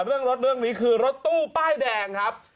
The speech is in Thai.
เรื่องรถเรื่องนี้คือรถตู้ป้ายแดงครับ